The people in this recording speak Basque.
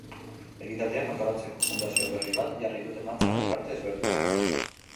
Ekitaldiak antolatzeko fundazio berri bat jarri dute martxan elkarte ezberdinek.